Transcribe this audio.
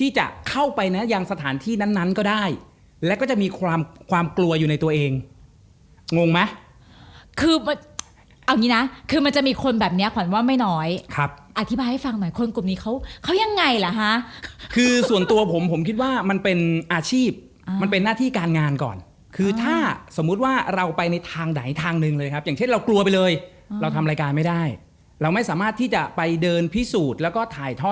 ใช่แล้วก็มีการขอร้องว่าเปลี่ยนแขกรับเชิญ